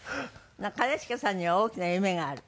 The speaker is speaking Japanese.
兼近さんには大きな夢がある。